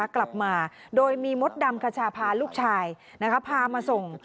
กลับมาโดยมีมดดำคชาพาลูกชายพามาส่ง